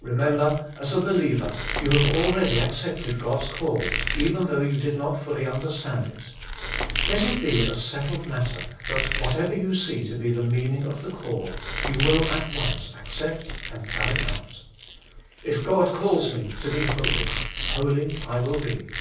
2. Remember, as a believer, you have already accepted God's call, even though you did not fully understand it. Let it be a settled matter, that what ever you see to be the meaning of the call, you mill at once accept and carry out. If God calls me to be holy, holy I will be.